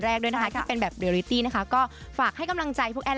แรกด้วยนะคะที่เป็นแบบนะคะก็ฝากให้กำลังใจพวกแอด